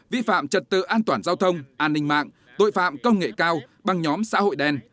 vi phạm trật tự an toàn giao thông an ninh mạng tội phạm công nghệ cao bằng nhóm xã hội đen